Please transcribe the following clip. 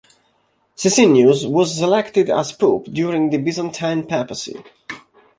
Sisinnius was selected as pope during the Byzantine Papacy.